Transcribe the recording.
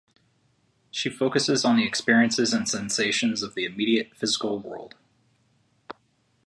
Se focuses on the experiences and sensations of the immediate, physical world.